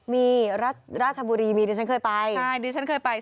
มีราชบุรีมีดิฉันเคยไปใช่ดิฉันเคยไป